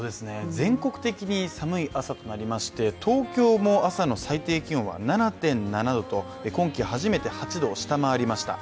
全国的に寒い朝となりまして東京も朝の最低気温は７．７度と今季初めて８度を下回りました。